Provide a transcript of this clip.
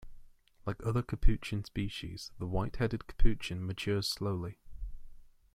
Like other capuchin species, the white-headed capuchin matures slowly.